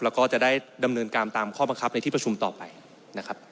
แล้วก็จะได้ดำเนินการตามข้อบังคับในที่ประชุมต่อไปนะครับ